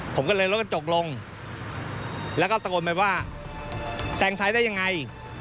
ผมก็เลยลดกระจกลงแล้วก็ตะโกนไปว่าแซงซ้ายได้ยังไง